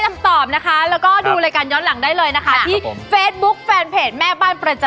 ถ้าอย่างนั้นตกลับมาเจอกันใหม่ในเวลล์พวกนี้นะจ๊ะ